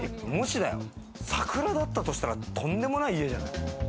さくらだったとしたらとんでもない家じゃない？